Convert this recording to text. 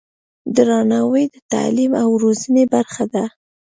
درناوی د تعلیم او روزنې برخه ده.